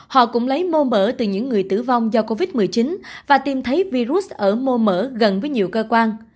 họ cũng lấy mô mở từ những người tử vong do covid một mươi chín và tìm thấy virus ở mô mở gần với nhiều cơ quan